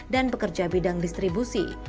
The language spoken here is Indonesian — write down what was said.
dan bekerja bidang distribusi